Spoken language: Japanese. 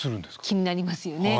気になりますよね。